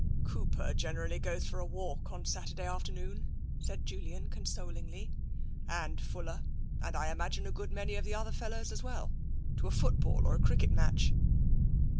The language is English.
" Cooper generally goes for a walk on Saturday af ternoon," said Sir Julian consolingly ;" and Fuller, and I imagine a good many of the other fellows as well, to a football or cricket match."